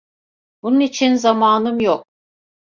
Bunun için zamanım yok.